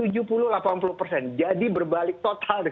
jadi berbalik total